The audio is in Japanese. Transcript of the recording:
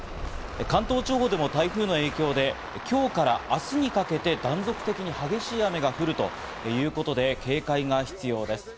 関東地方でも台風の影響で、今日から明日にかけて断続的に激しい雨が降るということで、警戒が必要です。